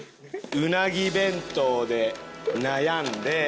うなぎ弁当で悩んで。